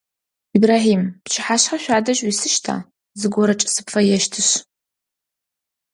Ибрахьим, пчыхьашъхьэ шъуадэжь уисыщта, зыгорэкӏэ сыпфэещтышъ?